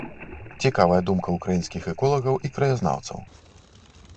Цікавая думка ўкраінскіх эколагаў і краязнаўцаў.